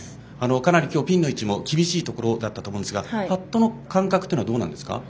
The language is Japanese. かなり今日はピンの位置も厳しいところだったと思うんですがパットの感覚というのはどうなんですか？